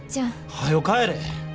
はよ帰れ！